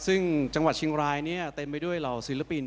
ซึ่งจังหวัดเชียงรายเนี่ยเต็มไปด้วยเหล่าศิลปิน